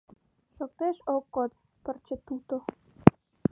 Шоктеш ок код пырче туто